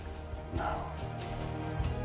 なるほど。